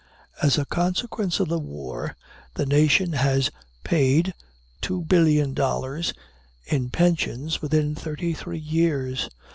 As a consequence of the war, the nation has paid $2,000,000,000 in pensions within thirty three years.